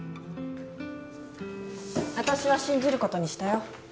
私は信じる事にしたよ。